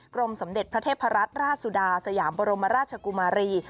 รมสมเด็จพระเทพรัตนราชสุดาสยามบรมราชกุมารี